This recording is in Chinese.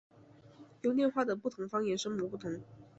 优念话的不同方言声母不同。